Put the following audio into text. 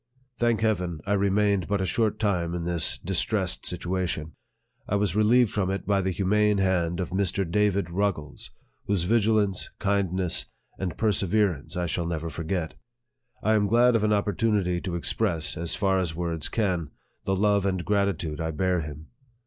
Thank Heaven, I remained but a short time in this distressed situation. I was relieved from it by the hu mane hand of Mr. DAVID RUGGLES, whose vigilance, kindness, and perseverance, I shall never forget. I am glad of an opportunity to express, as far as words can, the love and gratitude I bear him.